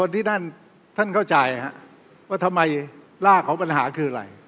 ที่ท่านเข้าใจว่าทำไมรากของปัญหาคืออะไร